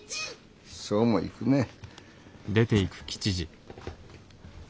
そうもいくめえ。